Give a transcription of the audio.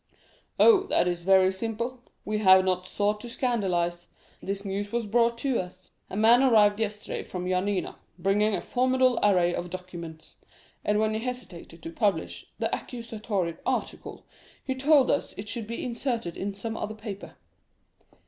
"Oh, that is very simple; we have not sought to scandalize. This news was brought to us. A man arrived yesterday from Yanina, bringing a formidable array of documents; and when we hesitated to publish the accusatory article, he told us it should be inserted in some other paper."